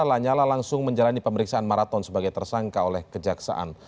lanyala langsung menjalani pemeriksaan maraton sebagai tersangka oleh kejaksaan